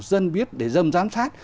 dân biết để dâm giám sát